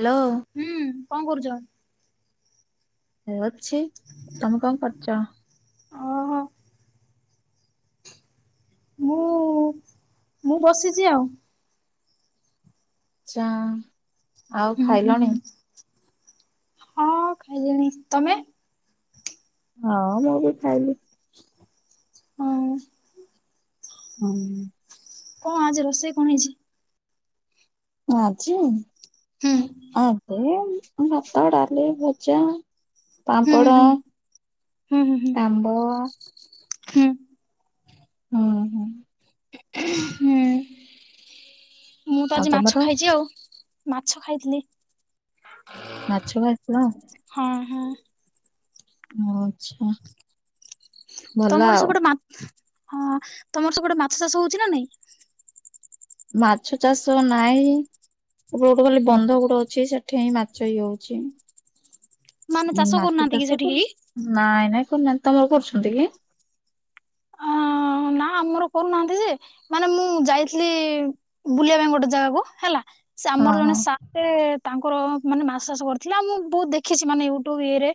Hello. ହୁଁ କଣ କରୁଚ? ହେ ଅଛି ତମେ କଣ କରୁଛ? ଓହୋ [inaudible] ମୁଁ ମୁଁ ବସିଛି ଆଉ। ଚା ଆଉ ହୁଁ ହୁଁ ହୁଁ ଖାଇଲଣି? ହଁ ଖାଇଲିଣି ତମେ? ହଁ ମୁଁ ବି ଖାଇଲି। ହଁ। ହୁଁ। କଣ ଆଜି ରୋଷେଇ କଣ ହେଇଛି? ଆଜି। ହୁଁ। ଆଜି ଭାତ ଡାଲି ଭଜା ହୁଁ ପାମ୍ପଡ଼ ହୁଁ ହୁଁ ହୁଁ ହୁଁ ଆମ୍ବ ହୁଁ। ହୁଁ ହୁଁ। ହୁଁ ମୁଁ ତ ଆଉ ଆଜି ମାଛ ତମର ଖାଇଛି ଆଉ। ମାଛ ଖାଇଥିଲି। ମାଛ ଖାଇଥିଲ। ହଁ ହଁ। ଓ ଆଚ୍ଛା। ତମର ସେପଟେ ମା ହଁ ତମର ସେପଟେ ମାଛ ଚାଷ ହଉଛି ନା ନାଇଁ? ମାଛ ଚାଷ ନାଇଁ ଏ ଗୋଟେ ଖାଲି ବନ୍ଧ ଗୋଟେ ଅଛି ସେଠି ହିଁ ମାଛ ଇଏ ହେଉଛି। ମାନେ ଚାଷ ମାଛ କରୁନାହାନ୍ତି କି ଚାଷ ସେଠି କରୁ କେହି? ନାଇଁ ନାଇଁ କରୁନାହାନ୍ତି ତମର କରୁଛନ୍ତି କି? ଅ ନା ଆମର କରୁନାହାନ୍ତି ଯେ ମାନେ ମୁଁ ଯାଇଥିଲି ବୁଲିବା ପାଇଁ ଗୋଟେ ଜାଗାକୁ ହେଲା ସେ ହଁ ଆମର ଜଣେ ହଁ ସା ସେ ତାଙ୍କର ମାନେ ମାଛ ଚାଷ କରିଥିଲେ ଆଉ ମୁଁ ବହୁତ ଦେଖିଛି ମାନେ ୟୁଟ୍ୟୁବ ଇଏରେ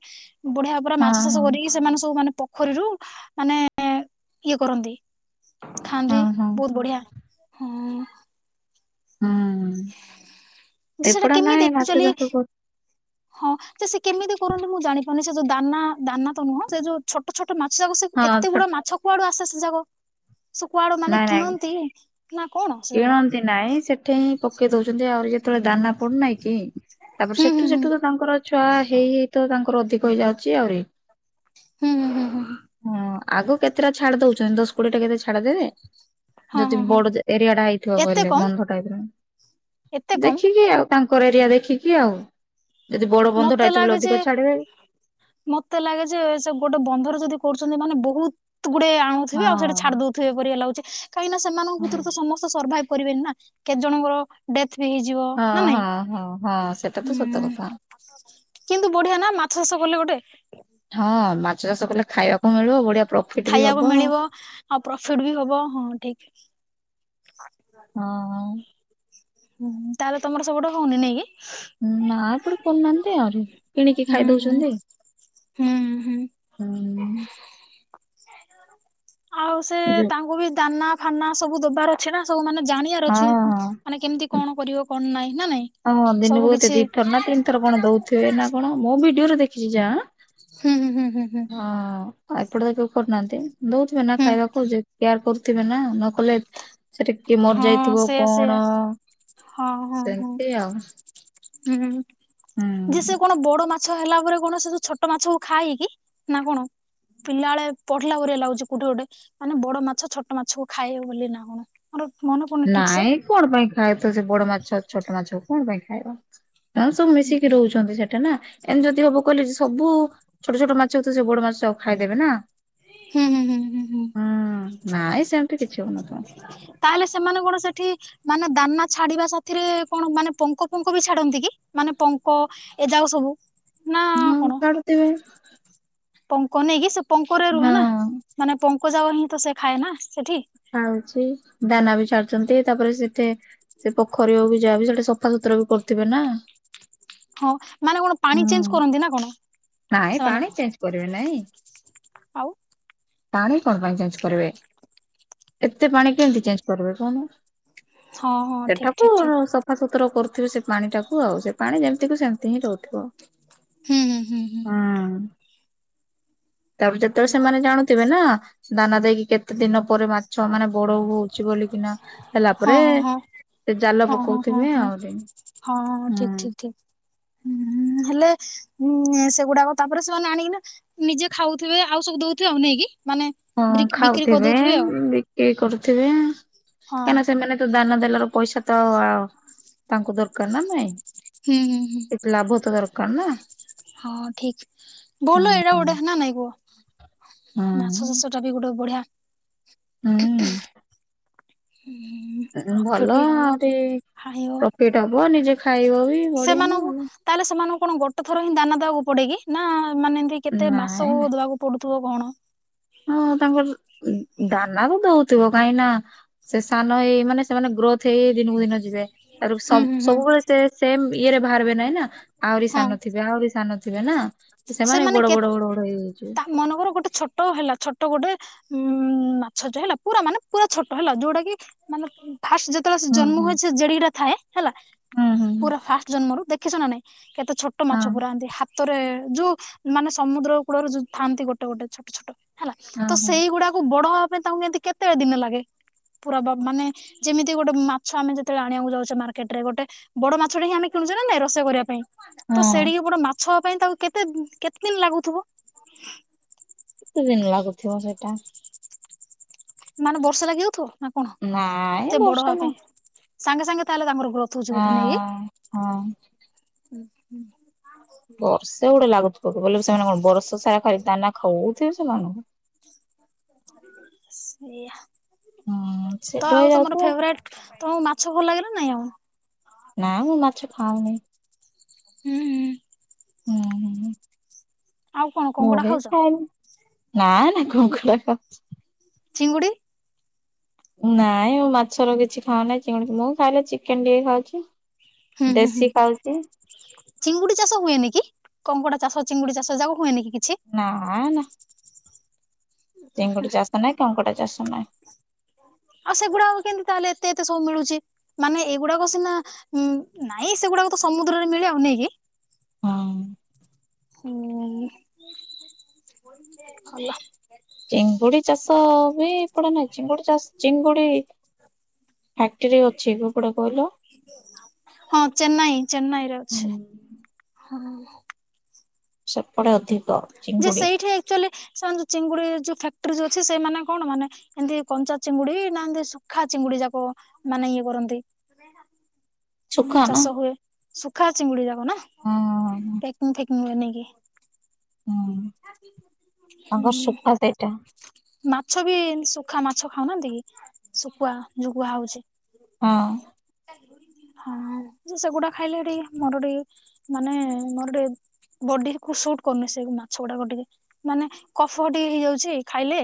ବଢିଆ ଭାବରେ ହଁ ମାଛ ଚାଷ ହଁ କରିକି ସେମାନେ ସବୁ ମାନେ ପୋଖରୀରୁ ମାନେ ଇଏ କରନ୍ତି। ଖାଆନ୍ତି ହଁ ହଁ ବହୁତ ବଢିଆ ହଁ। ହୁଁ ଯେ ସେଟା ଏପଟ କେମିତି ନାଇଁ ମାଛ ଆକ୍ଚୁଆଲି ଚାଷ କର ହଁ ଯେ ସେ କେମିତି କରନ୍ତି ମୁଁ ଜାଣିପାରୁନି ସେ ଯୋଉ ଦାନା ଦାନା ତ ନୁହଁ ସେ ଯୋଉ ଛୋଟ ଛୋଟ ମାଛ ଯାକ ସେ ହଁ ଏତେ ଛୋ ଗୁଡା ମାଛ କୁଆଡୁ ଆସେ ସେ ଯାଗା। ସେ କୁଆଡୁ ମାନେ ନାଇଁ ନାଇଁ କିଣନ୍ତି ନା କଣ ସେଗୁଡା। କିଣନ୍ତି ନାଇଁ ସେଠି ହିଁ ପକେଇ ଦଉଛନ୍ତି ଆହୁରି ଯେ ଯେତେବେଳେ ଦାନା ପଡୁନାହିଁ କି ତାପରେ ହୁଁ ହୁଁ ସେଠୁ ହୁଁ। ସେଠୁ ତ ତାଙ୍କର ଛୁଆ ହେଇ ହେଇ ତ ତାଙ୍କର ଅଧିକ ହେଇଯାଉଛି ଆହୁରି ହୁଁ ହୁଁ ହୁଁ ହୁଁ ହଁ ଆଗ କେତେଟା ଛାଡି ଦଉଛନ୍ତି ଦଶ କୋଡିଏ ଟା କେତେ ଛାଡି ଦେବେ। ହଁ ଯଦି ହଁ ହଁ ବଡ ଏରିଆ ଟା ହେଇଥିବ ଏତେ ବୋଲେ କମ ବନ୍ଧ ଟାଇପରେ ଏତେ କମ ଦେଖିକି ଆଉ ତାଙ୍କର ଏରିଆ ଦେଖିକି ଆଉ ଯଦି ବଡ ବନ୍ଧ ମତେ ଟା ହେଇଥିବ ଲାଗେ ଯେ ଅଧିକ ଛାଡିବେ। ମତେ ଲାଗେ ଯେ ସେପଟେ ବନ୍ଧରେ ଯଦି କରୁଛନ୍ତି ମାନେ ବହୁତ ଗୁଡେ ହଁ ଆଣୁଥିବେ ଆଉ ସେଠି ଛାଡି ଦଉ ପରିକ ଲାଗୁଛି କାହିଁକିନା ସେମାନଙ୍କ ହଁ ଭିତରୁ ତ ସମସ୍ତେ ସର୍ଭାଇଭି କରିବେନି ନା କେତ ଜଣଙ୍କର ଡେଥ ବି ହେଇଯିବ ହଁ ନା ନାଇଁ। ହଁ ହଁ ହଁ ସେଟା ତ ସତ କଥା। ହୁଁ। କିନ୍ତୁ ବଢିଆ ନା ମାଛ ଚାଷ କଲେ ଗୋଟେ ହଁ ମାଛ ଚାଷ କଲେ ଖାଇବାକୁ ମିଳିବ ବଢିଆ ପ୍ରଫିଟ ବି ଖାଇବାକୁ ହବ ମିଳିବ ଆଉ ପ୍ରଫିଟ ବି ହବ ହଁ ଠିକ। ହଁ ହଁ। ହୁଁ ତାଲେ ତମର ସେପଟେ ହଉନି ନାଇଁ କି? ନା ଏପଟେ କରୁନାହାନ୍ତି ଆଉ କିଣିକି ହୁଁ ଖାଇ ହୁଁ ଦଉଛନ୍ତି। ହୁଁ ହୁଁ ହୁଁ। ଆଉ ସେ ଯୋଉ ତାଙ୍କୁ ବି ଦାନା ଫାନା ସବୁ ଦବାର ଅଛି ନା, ସବୁ ମାନେ ଜାଣିଆର ହଁ ଅଛି ମାନେ କେମତି କଣ କରିବ କଣ ନାଇଁ, ନା ନାଇଁ? ହଁ ସବୁ ଦିନକୁ ଏତେ କିଛି ଦିଥର ନା ତିନି ଥର କଣ ଦଉଥିବେ ନା କଣ? ମୁଁ ଭିଡିଓରେ ଦେଖିଛି ଯାହା। ହୁଁ-ହୁଁ-ହୁଁ-ହୁଁ-ହୁଁ। ହଁ ଏପଟେ ତ କେବେ କରୁନାହାଁନ୍ତି? ଦଉଥିବେ ନା ହୁଁ ଖାଇବାକୁ ଯଦି କେୟାର କରୁ ଥିବେ ନା, ନ କଲେ ସେଠି କିଏ ମରି ହଁ ଯାଇଥିବ ସେୟା ସେୟା କଣ ସେ ଯାଉନୁ। ହୁଁ-ହୁଁ-ହୁଁ। ଯେ ସେ କଣ ବଡ ମା ମାଛ ହେଲା ପରେ କଣ ସେ ଯୋଉ ଛୋଟ ମାଛକୁ ଖାଏ କି, ନା କଣ? ପିଲା ବେଳେ ପଢିଲା ପରିକା ଲାଗୁଛି କୋଉଠି ଗୋଟେ। ମାନେ ବଡ ମାଛ, ଛୋଟ ମାଛକୁ ଖାଇବ ବୋଲି ନା କଣ? ଆମର ମନେପଡୁନି ନାଇଁ କଣ ପାଇଁ ଖାଏ ତ, ସେ ବଡ ମାଛ ଛୋଟ ମାଛ କଣ ପାଇଁ ଖାଇବା? ଆଉ ସବୁ ମିଶିକି ରହୁଛନ୍ତି ସେଠେ ନା। ଏନ୍ତି ଯଦି ହବ କହିଲେ, ସବୁ ଛୋଟ ଛୋଟ ମାଛକୁ ତ ସେ ବଡ ମାଛ ସବୁ ଖାଇଦେବେ ନା। ହୁଁ ହୁଁ ହୁଁ ହୁଁ ହୁଁ। ହଁ ନାଇଁ ସେମତି କିଛି ହଉନଥିବ। ତାହେଲେ ସେମାନେ କଣ ସେଠି ମାନେ ଦାନା ଛାଡିବା ସାଥିରେ କଣ ମାନେ ପଙ୍କ ଫଙ୍କ ବି ଛାଡନ୍ତି କି? ମାନେ ପଙ୍କ ଏ ଯାଉ ସବୁ, ନା ହଁ କଣ କାଢୁଥିବେ। ପଙ୍କ ନେଇକି ସେ ପଙ୍କରେ ରୁହେ ନା। ହଁ। ମାନେ ପଙ୍କ ଜାଉ ହିଁ ତ ସେ ଖାଏ ନା ସେଠି। ଖାଉଚି ଦାନା ବି ଚାଲୁଚନ୍ତି ତାପରେ ସେତେ ସେ ପୋଖରୀ ହଉ କୁ ଯାହାବି ସେଟି ସଫା ସୁତୁରା ବି କରୁଥିବେ ନା। ହଁ ମାନେ କଣ ପାଣି ହୁଁ ଚେଞ୍ଜ କରନ୍ତି ନା କଣ? ନାଇଁ ସେମାନେ ପାଣି ଚେଞ୍ଜ କରିବେ ନାଇଁ। ଆଉ ପାଣି କଣ ପାଇଁ ଚେଞ୍ଜ କରିବେ ଏତେ ପାଣି କେମିତି ଚେଞ୍ଜ କରିବେ କଉନୁ। ହଁ ହଁ ଠିକ ସେଠାକୁ ଠିକ ଠିକ ସଫା ସୁତୁର କରୁଥିବେ ସେ ପାଣିଟାକୁ ଆଉ। ସେ ପାଣି ଯେମତିକୁ ସେମତି ହିଁ ରହୁଥିବ। ହୁଁ ହୁଁ ହୁଁ। ତାପରେ ଯେତେବେଳେ ଭଲ ସେମାନେ ଜାଣୁଥିବେ ନା, ଦାନା ଦେଇକି କେତେ ଦିନ ପରେ ମା ଛୁଆମାନେ ବଡ ହଉଚି ବୋଲିକିନା ହେଲା ହଁ ପରେ ହଁ ହଁ। ସେ ଜାଲ ପକଉଥିବେ ଆଉରି। ହଁଁ ଠିକ ଠିକ୍। ହେଲେ ହୁଁ ସେଗୁଡାକ ତାପରେ ସେମାନେ ଆଣିକିନା ନିଜେ ଖାଉଥିବେ, ଆଉ ସବୁ ଦଉଥିବେ ଆଉ ନାଇକି। ମାନେ ହଁ ବିକ୍ରି ଖାଉଥିବେ, କରିଦଉଥିବେ ଆଉ। ବିକେଇ କରୁଥିବେ, ହଁ କାଇଁନା ସେମାନେ ତ ଦାନା ଦେଲାରୁ ପଇସା ତ ତାଙ୍କୁ ଦରକାର ନା ନାଇଁ? ହୁଁ ହୁଁ ହୁଁ। ଏତେ ଲାଭ ତ ଦରକାର। ନା ହଁ ଠିକ୍ କଥା। ଭଲ ଏଇଟା ଗୋଟେ ନା ନାଇଁ କୁଅ? ମାଛ ହୁଁ। ଚାଷଟା ବି ଗୋଟେ ବଢିଆ ହୁଁ। ହଁ ପ୍ରଫିଟ ଭଲ ବି ହବ ଆଉରି ହାଇବ ପ୍ରଫିଟ ହବ, ନିଜେ ଖାଇବ ବି ବଢିଆ ନା ସେମାନଙ୍କୁ ଆଉ। ତାହେଲେ ସେମାନଙ୍କୁ କଣ ଗୋଟେ ଥର ହିଁ ଦାନା ଦେବାକୁ ପଡେ କିି? ନା ମାନେ ଏମତି କେତେ ନାଇଁ ନାଇଁ ମାସକୁ ଦବାକୁ ପଡୁ ଥିବ କଣ? ହଁ ହଁ ତାଙ୍କର ଦ ଦାନା ତ ଦଉଥିବ କାଇଁକିନା ସେ ସାନ ହେଇ ମାନେ ସେମାନେ ଗ୍ରୋଥ ହେଇ ହେଇ ଦିନକୁ ଦିନ ଯିବେ, ତାପରକୁ ହୁଁ ସବୁ ହୁଁ ହୁଁ ସବୁବେଳେ ସେ ସେମ୍ ଇଏରେ ବାହାରିବେ ନାଇଁ ନା? ଆହୁରି ହଁ ସାନ ଥିବେ ଆହୁରି ସାନ ଥିବେ ନା? ସେମାନେ ବଡ ବଡ କେତ୍ ବଡ ବଡ ହେଇଯାଇଥିବେ। ତା ମନକର ଗୋଟେ ଛୋଟ ହେଲା ଛୋଟ ଗୋଟେ ଉଁ ମାଛ ଟେ ହେଲା ପୁରା ମାନେ ପୁରା ଛୋଟ ହେଲା ଯୋଉଟା କି ମାନେ ଉଁ ଫାଷ୍ଟ ଯେତେବେଳେ ସେ ହୁଁ ଜନ୍ମ ହୁଁ ହୁଏ ସେ ଜେଡି଼ଟା ଥାଏ ହେଲା ହୁଁ ପୁରା ହୁଁ। ଫାଷ୍ଟ ଜନ୍ମରୁ ଦେଖିଛ ନା ନାଇଁ? କେତେ ଛୋଟ ମାଛ ହଁ ପୁରା ଏନ୍ତି ହାତରେ- ଯୋଉ ମାନେ ସମୁଦ୍ର କୂଳରୁ ଯୋଉ ଥାଆନ୍ତି ଗୋଟେ ଗୋଟେ ଛୋଟ ଛୋଟ। ହେଲା ହଁ ତ ହଁ ସେଇ ଗୁଡ଼ାକୁ ବଡ଼ ହବା ପାଇଁ ତାଙ୍କୁ ଏମତି କେତେଟି ଦିନ ଲାଗେ? ପୁରା ବ ମାନେ ଯେମିତି ଗୋଟେ ମାଛ ଆମେ ଯେତବେଳେ ଆଣିବାକୁ ଯାଉଛେ ମାର୍କେଟ ରେ ଗୋଟେ ବଡ଼ ମାଛ ଟେ ହିଁ ଆମେ କିଣୁଛେ ନା ନାଇଁ ରୋଷେଇ କରିବା ପାଇଁ। ତ ହଁ ସେଡି଼କି ବଡ଼ ମାଛ ହବା ପାଇଁ ତାକୁ କେତେ କେତେ ଦିନ ଲାଗୁଥିବ? କେତେ ଦିନ ଲାଗୁଥିବ ସେଇଟା? ମାନେ ବର୍ଷା ଲାଗିଯାଉଥିବ ନା କଣ ନାଇଁ ଏତେ ବଡ଼ ବର୍ଷେ ହବା ନୁହଁ ପାଇଁ? ସାଙ୍ଗେ ସାଙ୍ଗେ ତାହେଲେ ତାଙ୍କର ଗ୍ରୋଥ ହଉଚି ବୋଧେ ନାଇଁ କି? ହଁ। ହଁ ହୁଁ ହୁଁ। ବର୍ଷା ଗୋଟେ ଲାଗୁଥିବ କି ବୋଲେ ସେମାନେ କଣ ବର୍ଷ ସାରା ଖାଲି ଦାନା ଖଉଥିବେ ସେମାନ ସେଇଆା ହୁଁ ତ ସେଠୁ ଆଉ ତମର ହେଇଯାଉଥିବ ଫେବରାଇଟ ତମକୁ ମାଛ ଭଲ ଲାଗେ ନା ନାଇଁ ଆଉ? ନା ମୁଁ ମାଛ ଖାଉନି। ହୁଁ ହୁଁ। [unintelligible] ଆଉ କଣ ମୁଁ କଙ୍କଡା ବି ଖାଉଛ? ଖାଉନି। ନାଇଁ ନାଇଁ କଙ୍କଡ଼ା ଖାଉଚି। ଚିଙ୍ଗୁଡ଼ି? ନାଇଁ ମୁଁ ମାଛର କିଛି ଖାଉ ନାହିଁ। ଚିଙ୍ଗୁଡ଼ି ଫିଙ୍ଗୁଡ଼ି ମୁଁ ଖାଇଲେ ଚିକେନ୍ ଟିକେ ଖାଉଛି। ହୁଁ ହୁଁ ହୁଁ। ଦେଶୀ ଖାଉଛି ଚିଙ୍ଗୁଡ଼ି ଚାଷ ହୁଏନି କି କଙ୍କଡ଼ା ଚାଷ ଚିଙ୍ଗୁଡ଼ି, ଚାଷ ଏଯାକ ହୁଏନି କି କିଛି? ନାଇଁ ନାଇଁ। ଚିଙ୍ଗୁଡ଼ି ଚାଷ ନାଇଁ, କଙ୍କଡ଼ା ଚାଷ ନାଇଁ। ଆଉ ସେଗୁଡ଼ାକ କେମିତି ତାହେଲେ ଏତେ ଏତେ ସବୁ ମିଳୁଛି? ମାନେ ଏଉଗୁଡ଼ାକ ସିନା ଉ ନାଇଁ ସେଉଗୁଡ଼ାକ ତ ସମୁଦ୍ରରେ ମିଳେ ଆଉ ନାଇକି? ହଁ। [unintelligible] ହୁଁ ଭଲ। ଚିଙ୍ଗୁଡ଼ି ଚାଷ ବି ପଡ଼େ ନାଇଁ ଚିଙ୍ଗୁଡ଼ି ଚାଷ ଚିଙ୍ଗୁଡ଼ି ଫ୍ୟାକ୍ଟରୀ ଅଛି। [unintelligible] କହିଲ। ହଁ ଚେନ୍ନାଇ ଚେନ୍ନାଇରେ ହୁଁ ଅଛି। ହଁ। ସେପଟେ ଅଧିକ। ଯେ ଚିଙ୍ଗୁଡି ସେଇଠି ଆକ୍ଚୁଆଲି ସେମାନେ ଯୋଉ ଚିଙ୍ଗୁଡ଼ି ଯୋଉ ଫ୍ୟାକ୍ଟ୍ରି ଯୋଉ ଅଛି ସେମାନେ କଣ ମାନେ ଏମିତି କଞ୍ଚା ଚିଙ୍ଗୁଡ଼ି ନା ଏମିତି ସୁୁଖା ଚିଙ୍ଗୁଡ଼ି ଯାକ ମାନେ ଇଏ କରନ୍ତି? ଶୁଖା ନା ଚାଷ ହୁଏ ଶୁଖା ଚିଙ୍ଗୁଡ଼ି ଯାକ ନା ହଁ ପ୍ୟାକିଂ ଫ୍ୟାକିଂ ହୁଏ ନେଇକି। ହୁଁ ତାଙ୍କର ହୁଁ। ସୁଖା ସେଇଟା। ମାଛ ବି ଛନ୍ତି ଶୁଖା ମାଛ ଖାଉନାହାନ୍ତି କି? ଶୁଖୁଆ ଯୋଉ କୁହା ହୋଉଛି। ହଁ। ହଁ ଯେ ସେଗୁଡ଼ା ଖାଇଲେ ଟିକେ ମୋର ଟିକେ ମାନେ ମୋର ଟିକେ ବଡି କୁ ସୁଟ୍ କରୁନି ସେଇ ମାଛ ଗୁଡ଼ାକ ଟିକେ ମାନେ କଫ ଟିକେ ହେଇଯାଉଛି ଖାଇଲେ।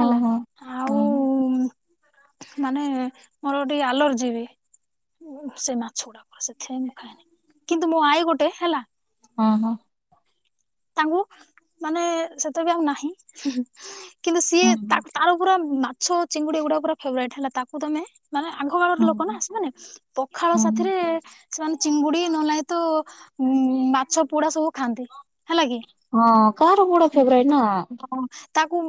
ହେଲା ଆଉ ହଁ ମାନେ ମୋର ଟିକେ ଆଲର୍ଜି ବି। ଉଁ ସେ ମାଛ ଗୁଡ଼ାକ ସେଥିପାଇଁ ମୁଁ ଖାଏନି କିନ୍ତୁ ମୋ ଆଈ ଗୋଟେ ହେଲା ହଁ ହଁ। ତାଙ୍କୁ ମାନେ ସେତେ ବି ଆଉ ନାହିଁ। କିନ୍ତୁ ସିଏ ହଁ ତାକ୍ ତାର ପୁରା ମାଛ ଚିଙ୍ଗୁଡ଼ି ଏଗୁଡ଼ା ପୁରା ଫେବରାଇଟ୍ ହେଲା ତାକୁ ତମେ ମାନେ ଆଗ କାଳର ହଁ ଲୋକ ନା ସେମାନେ ପଖାଳ ହଁ। ସାଥିରେ ସେମାନେ ଚିଙ୍ଗୁଡ଼ି ନହେଲେ ନାଇଁ ତ ଉଁ ମାଛ ପୋଡ଼ା ସବୁ ଖାଆନ୍ତି। ହେଲା କି? ହଁ କାହାର କୋଉଟା ଫେବରାଇଟ୍ ନା। ହଁ ତାକୁ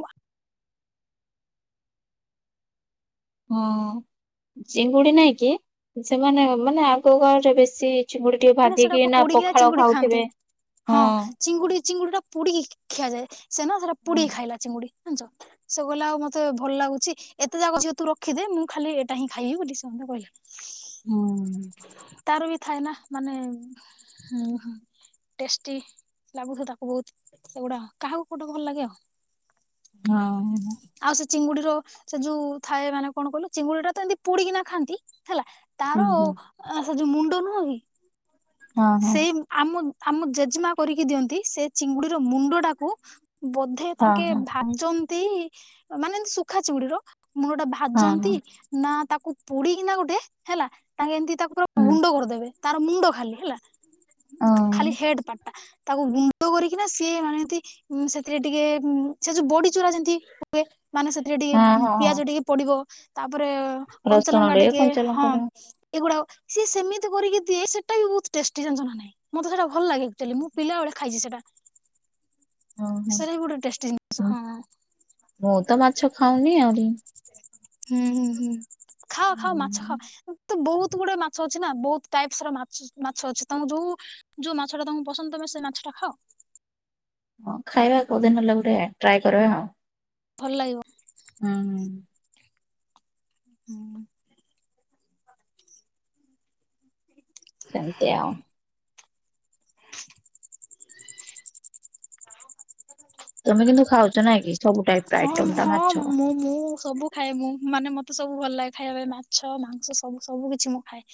ହଁ। ଚିଙ୍ଗୁଡି ନାଇଁ କି ସେମାନେ ମାନେ ଆଗ କାଳରେ ବେଶୀ ଚିଙ୍ଗୁଡି। ଟି ମାନେ ସେଟା ଭାଜିକି ନା ପୋଡିକିନା ପଖାଳ ଚିଙ୍ଗୁଡି ଖାଆନ୍ତି ଖାଉଥିବେ ହଁ। ଚିଙ୍ଗୁଡି ଚିଙ୍ଗୁଡି ଟା ପୋଡିକି ଖିଆଯାଏ ସେ ନା ସେଟା ହୁଁ ପୋଡିକି ଖାଇଲା ଚିଙ୍ଗୁଡି। ଜାଣିଚ ସେ କହିଲା ଆଉ ମତେ ଭଲ ଲାଗୁଛି। ଏତେ ଯାକ ଝିଅ ତୁ ରଖିଦେ ମୁଁ ଖାଲି ଏଇଟା ହିଁ ଖାଇବି ବୋଲି ସେ ମୋତେ କହିଲା। ହଁ। ତାର ବି ଥାଏ ନା ମାନେ ହୁଁ ହୁଁ। ଟେଷ୍ଟି ଲାଗୁଥିବ ତାକୁ ବହୁତ ସେଗୁଡ଼ା କାହାକୁ କଉଟା ଭଲ ଲାଗେ ଆଉ। ହଁ ହେ ଆଉ ସେ ଚିଙ୍ଗୁଡିର ସେ ଯୋଉ ଥାଏ ମାନେ କଣ କହିଲ ଚିଙ୍ଗୁଡି ଟା ତ ଏମିତି ପୋଡିକିନା ଖାଆନ୍ତି ହେଲା। ହୁଁ ତାର ହୁଁ ଆ ସେ ଯୋଉ ମୁଣ୍ଡ ନୁହଁ କି ହଁ ହଁ ସେଇ ଆମ ଆମ ଜେଜେମା କରିକି ଦିଅନ୍ତି ସେ ଚିଙ୍ଗୁଡିର ମୁଣ୍ଡ ଟାକୁ ବ ଧେ ହଁ ତାଙ୍କେ ହଁ ଭାଜନ୍ତି ଅ ମାନେ ଏମିତି ସୁଖା ଚିଙ୍ଗୁଡି ର ମୁଣ୍ଡ ଟା ହଁ ଭାଜନ୍ତି। ହଁ ନା ତାକୁ ପୋଡିକିନା ଗୋଟେ ହେଲା ତାଙ୍କେ ଏମିତି ତାକୁ ତ ହୁଁ ଗୁଣ୍ଡ କରିଦେବେ ତାର ମୁଣ୍ଡ ଖାଲି ହେଲା। ହ ଖା-ଖାଲି ହେଡ ପାଟଟା ତାକୁ ଗୁଣ୍ଡ କରିକିନା ସିଏ ମାନେ ଏମିତି। ଉଁ ସେଥିରେ ଟିକେ ଉଁ ସେ ଯୋଉ ବଡି ଚୁରା ଯେମିତି ହୁଏ ମାନେ ସେ ସେଥିରେ ଟିକେ ହଁ ଉଁ ହଁ ହଁ ପିଆଜ ଟିକେ ପଡିବ ତାପରେ ରସୁଣ କଞ୍ଚାଲଙ୍କା ଟେ ଟିକେ କଞ୍ଚା ଲଙ୍କା ହଁ। ଟେ ଏଗୁଡାକ ସିଏ ସେମିତି କରିକି ଦିଏ ସେଟା ବି ବହୁତ ଟେଷ୍ଟି ଜାଣିଚ ନା ନାହିଁ? ମତେ ସେଇଟା ଭଲ ଲାଗେ ଆକ୍ଚୁଆଲି ମୁଁ ପିଲାବେଳେ ଖାଇଛି ସେଇଟା। ହଁ ହଁ ସେଇଟା ହିଁ ଗୋଟେ ଟେଷ୍ଟି ଜିନିଷ ହଁ। ମୁଁ ତ ମାଛ ଖାଉନି ଆହୁରି। ହୁଁ ହୁଁ ହୁଁ ଖାଅ ଖାଅ ମାଛ ଖାଅ ତ ବହୁତ ଗୁଡେ ମାଛ ଅଛି ନା ବହୁତ ଟାଇପସ ର ମାଛ ମାଛ ଅଛି ତମ ଯୋଉ। ଯୋଉ ମାଛ ଟା ତମକୁ ପସନ୍ଦ ତମେ ସେ ମାଛଟା ଖାଅ। ହଁ ଖାଇବା କୋଉଦିନ ହେଲେ ଗୋଟେ ଟ୍ରାଏ କରିବା ଆଉ। ଭଲ ଲାଗିବ। ହଁ। ହୁଁ। ଚାଲିଚି ଆଉ। ତମେ କିନ୍ତୁ ଖାଉଛ ନା କି? ସବୁ ଟାଇପ ର ହଁ ଆଇଟମ ଟା ହଁ ମାଛ? ମୁଁ ମୁଁ ସବୁ। ଖାଏ ମୁଁ ମାନେ ମତେ ସବୁ ଭଲ ଲାଗେ ଖାଇବା ପାଇଁ ମାଛ ମାଂସ ସବୁ ସବୁ କିଛି ମୁଁ ଖାଏ।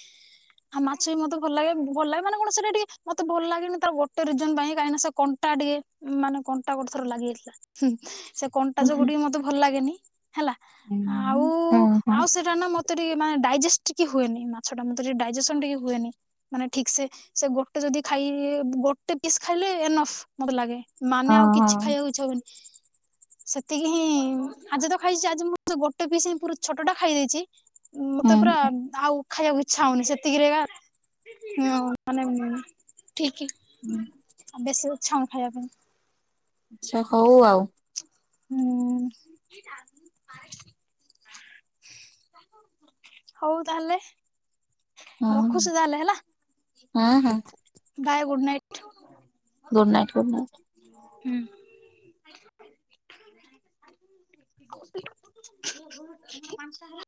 ହଁ ମାଛ ବି ମତେ ଭଲ ଲାଗେ [unintelligible] ଭଲ ଲାଗେ ମାନେ କଣ ସେଇଟା ଟିକେ ମତେ ଭଲ ଲାଗେନି ତା ଗୋଟେ ରିଜନ୍‌ ପାଇଁ କାଇଁ ନା ସେ କ କଣ୍ଟା ଟିକେ ଉଁ ମାନେ କଣ୍ଟା ଗୋଟେ ଥର ଲାଗି ଯାଇଥିଲା ହୁଁ ସେ କଣ୍ଟା ହୁଁ ଯୋଗୁ ଟିକେ ମତେ ଭଲ ଲାଗେନି। ହେଲା ଆଉ ଉଁ ଓହୋ ଆଉ ସେଟା ନା ମତେ ଟିକେ ମାନେ ଡାଇଜେଷ ଟିକେ ହୁଏନି ମାଛ ଟା ମତେ ଟିକେ ଡାଇଜେସନ ଟିକେ ହୁଏନି। ମାନେ ଠିକ ସେ ସେ ଗୋଟେ ଯଦି ଖାଇ ବ ଗୋଟେ ପିସ୍ ଖାଇଲେ ଏନଫ। ମତେ ଲାଗେ ମାନେ ଆଉ ଓହୋ କିଛି ଖାଇବାକୁ ଇଚ୍ଛା ହବନି। ସେତିକି ହିଁ ଆଜି ତ ଖାଇଛି ଆଜି ମୁଁ ଗୋଟେ ପିସ୍ ହିଁ ପୁରା ଛୋଟ ଟା ଖାଇ ଦେଇଛି। ଉଁ ମତେ ପୁରା ହୁଁ। ଆଉ। ଖାଇବାକୁ ଇଚ୍ଛା ହଉନି ସେତିକି ରେ ଏକା ହୁଁ ମାନେ ଠିକି। ଉଁ। ବେଶୀ ଇଚ୍ଛା ହଉନି ଖାଇବା ପାଇଁ। ଆଚ୍ଛା ହଉ ଆଉ। ହୁଁ। ହଉ ତାହେଲେ ହଁ ରଖୁଚି ତାହେଲେ ହେଲା। ହଁ ହଁ। ଗାଏ good night. Good night good night. ହୁଁ। [inaudible]